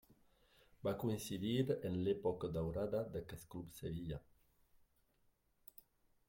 Va coincidir en l'època daurada d'aquest club sevillà.